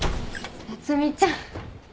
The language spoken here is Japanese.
夏海ちゃん。